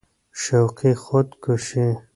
شوقي خود کشي